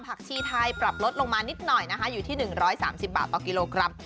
ชีไทยปรับลดลงมานิดหน่อยนะคะอยู่ที่๑๓๐บาทต่อกิโลกรัม